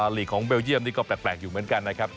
ลีกของเบลเยี่ยมนี่ก็แปลกอยู่เหมือนกันนะครับ